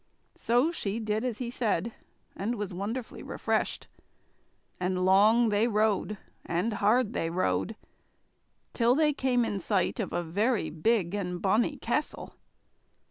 So she did as he said, and was wonderfully refreshed. And long they rode, and hard they rode, till they came in sight of a very big and bonny castle.